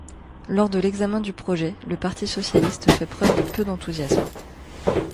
Lors de l'examen du projet, le Parti socialiste fait preuve de peu d'enthousiasme.